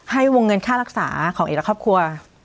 วงเงินค่ารักษาของเอกและครอบครัว